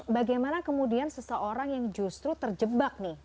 bagaimana kemudian seseorang yang justru terjebak nih